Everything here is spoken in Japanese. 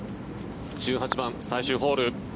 １８番、最終ホール。